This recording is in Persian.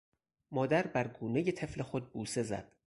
مادر بر گونهٔ طفل خود بوسه زد.